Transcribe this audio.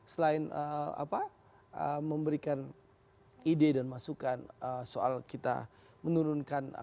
selain memberikan ide dan masukan soal kita menurunkan